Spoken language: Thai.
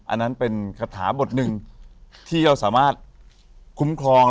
อันนั้นเป็นคาถาบทหนึ่งที่เราสามารถคุ้มครอง